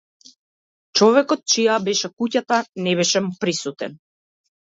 Човекот чија беше куќата не беше присутен.